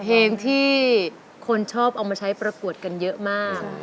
เพลงที่คนชอบเอามาใช้ประกวดกันเยอะมาก